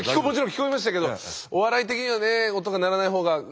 もちろん聞こえましたけどお笑い的にはね音が鳴らない方が。